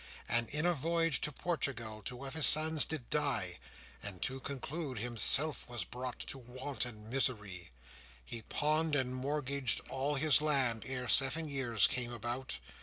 And in a voyage to Portugal Two of his sons did die; And to conclude, himself was brought To want and misery: He pawned and mortgaged all his land Ere seven years came about.